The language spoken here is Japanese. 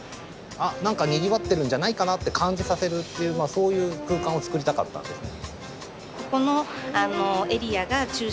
何かにぎわってるんじゃないかなって感じさせるというそういう空間を作りたかったんですね。